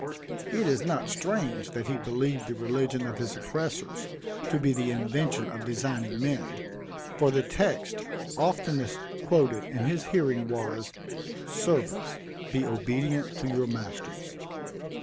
It is not strange that he believed the religion of his oppressors to be the invention of designing men, for the text oftenest quoted in his hearing was, "Servants, be obedient to your masters."